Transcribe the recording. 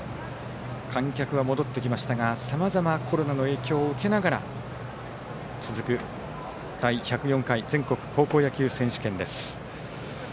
観客は戻ってきましたがさまざまコロナの影響を受けながら続く、第１０４回全国高校野球選手権です。